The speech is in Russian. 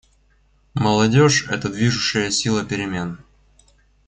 Молодежь — это движущая сила перемен.